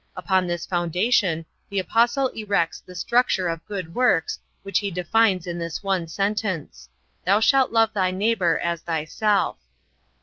Upon this foundation the Apostle erects the structure of good works which he defines in this one sentence: "Thou shalt love thy neighbour as thyself."